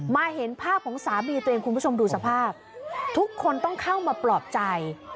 เห็นภาพของสามีตัวเองคุณผู้ชมดูสภาพทุกคนต้องเข้ามาปลอบใจ